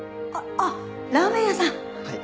はい。